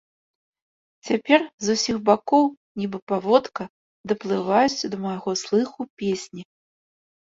Цяпер з усіх бакоў, нібы паводка, даплываюць да майго слыху песні.